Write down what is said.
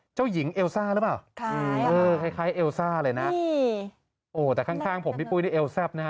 เจ้าหญิงเอลซ่าหรือเปล่าคล้ายเอลซ่าเลยนะโอ้แต่ข้างข้างผมพี่ปุ้ยนี่เอวแซ่บนะฮะ